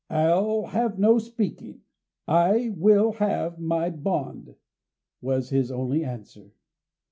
"I'll have no speaking; I will have my bond," was his only answer.